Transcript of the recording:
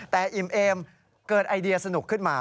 แต่อิ่มเอมเกิดไอเดียสนุกขึ้นมา